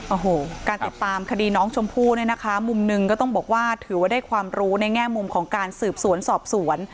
โอ้โหการติดตามคดีน้องชมพู่เนี่ยนะคะมุมหนึ่งก็ต้องบอกว่าถือว่าได้ความรู้ในแง่มุมของการสืบสวนสอบสวน